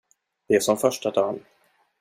Det är som första dagen.